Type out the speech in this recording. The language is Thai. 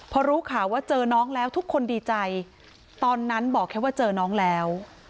พอรู้ข่าวว่าเจอน้องแล้วทุกคนดีใจตอนนั้นบอกแค่ว่าเจอน้องแล้ว